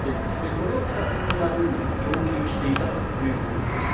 これを北クリミア運河が供給していたということです。